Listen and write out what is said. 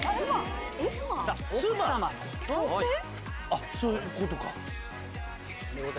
あっそういうことか。